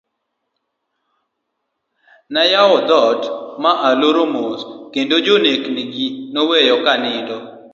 Nayawo dhoot ma aloro mos ,kendo jonek ni go naweyo kanindo.